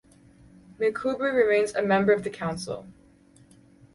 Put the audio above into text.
McCoubrey remains a member of the Council.